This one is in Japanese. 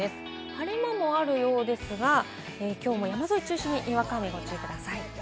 晴れ間もあるようですが、きょうも山沿いを中心ににわか雨にご注意ください。